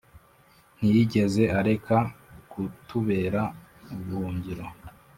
Ntiyigeze areka kutubera ubuhungiro